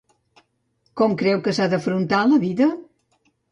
Com creu que s'ha d'afrontar la vida?